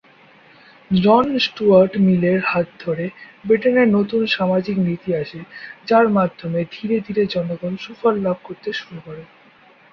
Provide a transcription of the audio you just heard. জন Stuart মিলের হাত ধরে ব্রিটেনে নতুন সামাজিক নীতি আসে, যার মাধ্যমে ধীরে ধীরে জনগণ সুফল লাভ করতে শুরু করে।